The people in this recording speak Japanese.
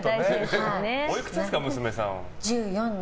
おいくつですか、娘さん。